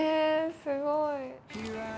すごい。